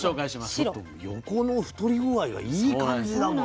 なんかちょっと横の太り具合がいい感じだもの。